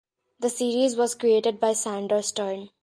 The series was created by Sandor Stern.